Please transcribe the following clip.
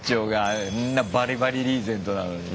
あんなバリバリリーゼントなのに。